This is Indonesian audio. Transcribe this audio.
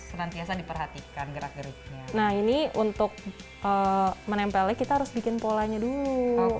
senantiasa diperhatikan gerak geriknya nah ini untuk menempelnya kita harus bikin polanya dulu